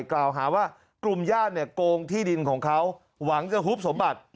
กล่าวหาว่ากลุ่มญาติเนี่ยโกงที่ดินของเขาหวังจะฮุบสมบัติ